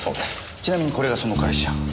ちなみにこれがその会社。